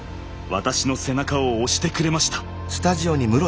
私の背中を押してくれました。